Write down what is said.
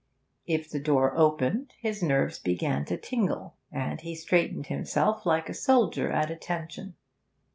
If the door opened his nerves began to tingle, and he straightened himself like a soldier at attention.